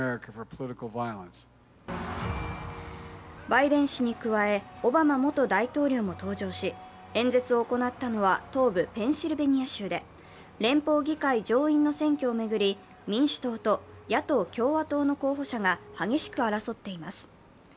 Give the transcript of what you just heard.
バイデン氏に加え、オバマ元大統領も登場し、演説を行ったのは東部ペンシルベニア州で連邦議会上院の選挙を巡り民主党と野党・共和党の候補者が激しく争っています。